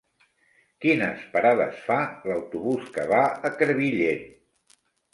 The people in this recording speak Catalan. Quines parades fa l'autobús que va a Crevillent?